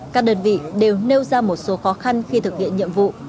các đơn vị đều nêu ra một số khó khăn khi thực hiện nhiệm vụ